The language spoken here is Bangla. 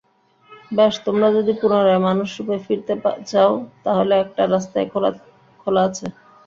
বেশ, তোমরা যদি পুনরায় মানুষরূপে ফিরতে চাও, তাহলে একটা রাস্তাই খোলা আছে।